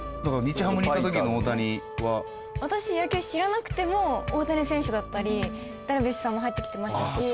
私野球知らなくても大谷選手だったりダルビッシュさんも入ってきてましたし。